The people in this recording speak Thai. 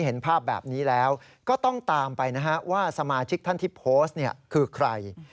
เห็นภาพแบบนี้แล้วก็ต้องตามไปนะฮะว่าสมาชิกท่านที่โพสต์คือใคร